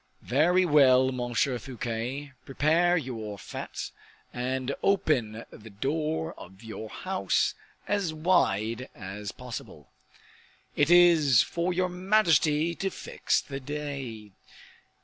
"Very well, Monsieur Fouquet, prepare your fete, and open the door of your house as wide as possible." "It is for your majesty to fix the day."